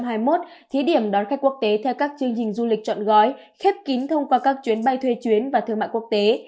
thí điểm đón khách quốc tế theo các chương trình du lịch chọn gói khép kín thông qua các chuyến bay thuê chuyến và thương mại quốc tế